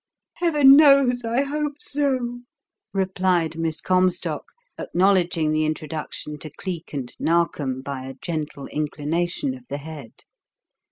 "Heaven knows I hope so," replied Miss Comstock, acknowledging the introduction to Cleek and Narkom by a gentle inclination of the head.